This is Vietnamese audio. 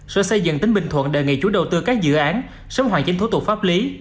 sở xây dựng tỉnh bình thuận đề nghị chủ đầu tư các dự án sớm hoàn chỉnh thủ tục pháp lý